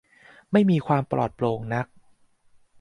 ไม่มีความปลอดโปร่งนัก